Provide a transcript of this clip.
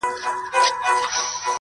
په ښار کي دي مسجد هم میکدې لرې که نه،